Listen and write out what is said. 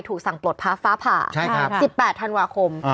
ถูกสั่งปลดภาพฟ้าผ่า๑๘ธันวาคม